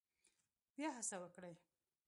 بیا هڅه وکړئ